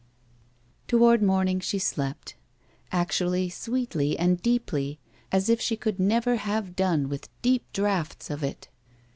Toward morning she slept. Actually, sweetly, and deeply, as if she could never have done with deep draughts of it.